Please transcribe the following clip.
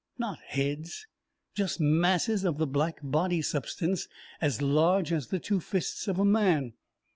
Not heads. Just masses of the black body substance as large as the two fists of a man.